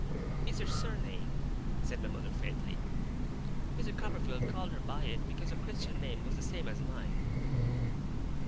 'It's her surname,' said my mother, faintly. 'Mr. Copperfield called her by it, because her Christian name was the same as mine.